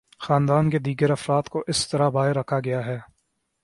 خاندان کے دیگر افراد کو اس طرح باہر رکھا گیا ہے۔